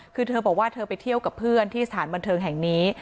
คือเธอบอกว่าเธอไปเที่ยวกับเพื่อนที่สถานบันเทิงแห่งนี้